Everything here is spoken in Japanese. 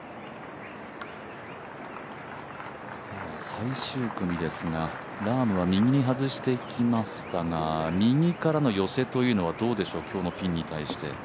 最終組ですが、ラームは右に外していきましたが右からの寄せというのはどうでしょう、今日のピンに対して。